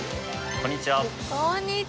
こんにちは。